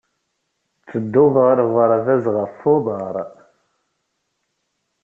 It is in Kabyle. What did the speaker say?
Ttedduɣ ɣer uɣerbaz ɣef uḍar.